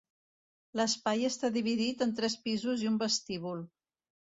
L'espai està dividit en tres pisos i un vestíbul.